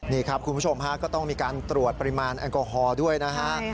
นี่ครับคุณผู้ชมฮะก็ต้องมีการตรวจปริมาณแอลกอฮอล์ด้วยนะฮะ